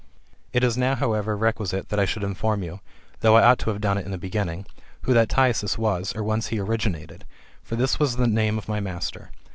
It is now, however, requisite that I should inform you, though I ought to have done it m the beginning, who that Thyasus was, or whence he originated ; for this was the name of my master.